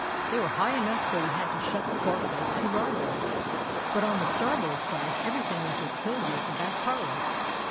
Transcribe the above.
They were high enough so we had to shut the port holes to larboard, but on the starboard side everything was as cozy as a back parlor.